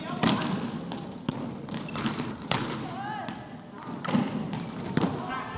สุดท้ายสุดท้ายสุดท้าย